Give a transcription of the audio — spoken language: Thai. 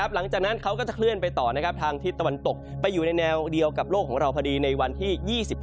หลังจากนั้นเขาก็จะเคลื่อนไปต่อทางทิศตะวันตกไปอยู่ในแนวเดียวกับโลกของเราพอดีในวันที่๒๔